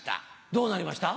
どうなりました？